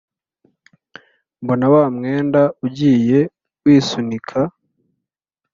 mbona wa mwenda ugiye wisunika.